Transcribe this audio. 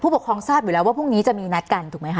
ปกครองทราบอยู่แล้วว่าพรุ่งนี้จะมีนัดกันถูกไหมค